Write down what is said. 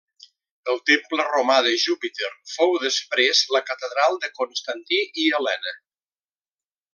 El temple romà de Júpiter fou després la catedral de Constantí i Helena.